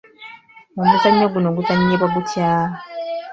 Omuzannyo guno guzannyibwa gutya?